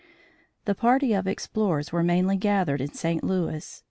The party of explorers were mainly gathered in St. Louis.